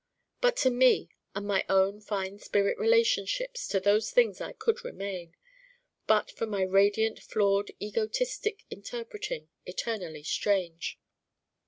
But to Me and my own fine spirit relationships to those things I could remain, but for my radiant flawed egotistic interpreting, eternally strange.